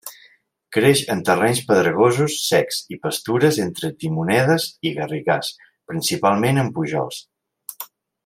Creix en terrenys pedregosos secs i pastures entre timonedes i garrigars, principalment en pujols.